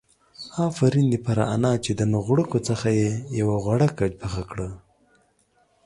آفرين دي پر انا چې د نو غړکو څخه يې يوه غړکه پخه کړه.